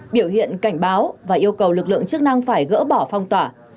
biểu hiện cảnh báo và yêu cầu lực lượng chức năng phải gỡ bỏ phong tỏa